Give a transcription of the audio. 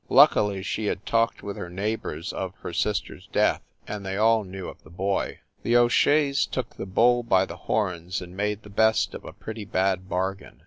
Luckily she had talked with her neighbors of her sister s death, and they all knew of the boy. The O Sheas took the bull by the THE NORCROSS APARTMENTS 289 horns and made the best of a pretty bad bargain.